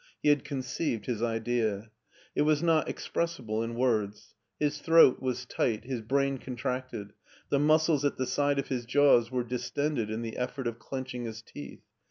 He had conceived his idea. It was not expressible in words. His throat was tight, his brain contracted, the muscles at the side of his jaws were distended in the effort of clenching his teeth.